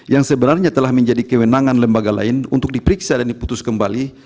yang sebenarnya telah menjadi kewenangan lembaga lain untuk diperiksa dan diputus kembali